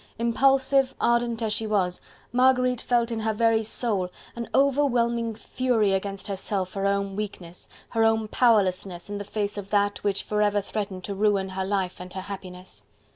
Impulsive, ardent as she was, Marguerite felt in her very soul an overwhelming fury against herself for her own weakness, her own powerlessness in the face of that which forever threatened to ruin her life and her happiness.